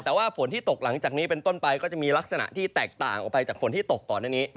แต่ว่าฝนที่ตกหลังจากนี้เป็นต้นไปก็จะมีลักษณะที่แตกต่างออกไปจากฝนที่ตกก่อนหน้านี้